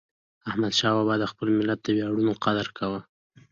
احمدشاه بابا د خپل ملت د ویاړونو قدر کاوه.